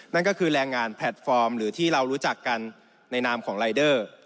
นั่นก็คือแรงงานแพลตฟอร์มหรือที่เรารู้จักกันในนามของรายเดอร์